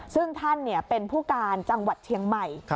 ซึ่งท่านเป็นผู้การจังหวัดเชียงใหม่